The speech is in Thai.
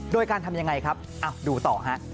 โดยการทำอย่างไรครับดูต่อครับ